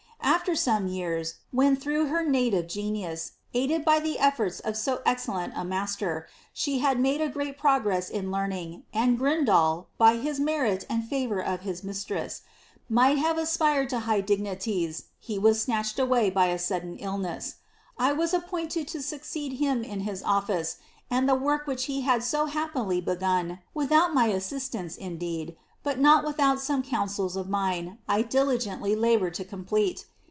^ After some years, when through her native genius, aided by the eflbrts of so excellent a master, she had made a great progress in learn ing, and Grindal, by his merit and the favour of his mistress, might have aspired to high dignities, he was snatched away by a sudden illness. 1 was appointed to succeed him in his office, and the work which he had so happily begun, without my assistance, indeed, but not without some counsels of mine, I diligently laboured to complete.